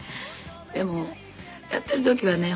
でもやっている時はね